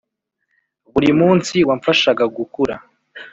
buri munsi wamfashaga gukura,